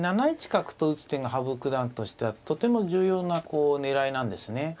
で７一角と打つ手が羽生九段としてはとても重要な狙いなんですね。